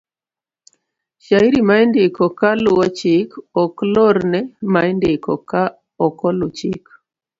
Shairi ma indiko ka luwo chik ok lorne ma indiko ka okolu chik.